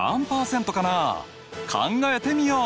考えてみよう！